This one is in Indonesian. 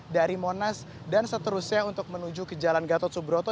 dari monas dan seterusnya untuk menuju ke jalan gatot subroto